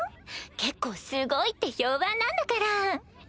結構すごいって評判なんだから。